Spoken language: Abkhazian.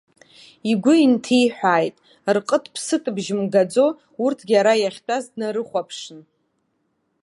Игәы инҭиҳәааит, рҟыт-ԥсытбжь мгаӡо урҭгьы ара иахьтәаз днарыхәаԥшын.